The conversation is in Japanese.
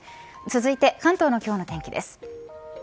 続いて関東の今日の天気です。